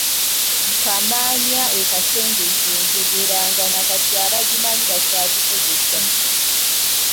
Kaamaanya e Kasengejje njogera nga nakati abagimanyi bakyagikozesa.